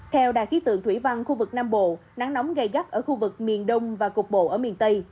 theo đài khí tượng thủy văn khu vực nam bộ nắng nóng gây gắt ở khu vực miền đông và cục bộ ở miền tây